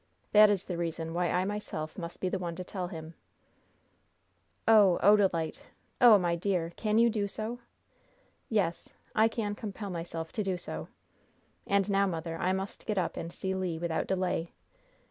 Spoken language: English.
That is the reason why I myself must be the one to tell him." "Oh, Odalite! Oh, my dear! Can you do so?" "Yes, I can compel myself to do so. And now, mother, I must get up and see Le, without delay.